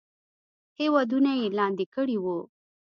هیوادونه یې لاندې کړي وو.